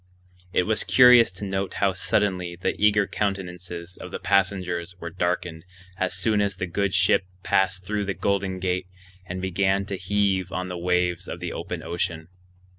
It was curious to note how suddenly the eager countenances of the passengers were darkened as soon as the good ship passed through the Golden Gate and began to heave on the waves of the open ocean.